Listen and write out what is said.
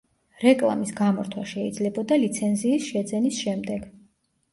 რეკლამის გამორთვა შეიძლებოდა ლიცენზიის შეძენის შემდეგ.